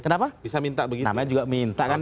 kenapa bisa minta begitu namanya juga minta kan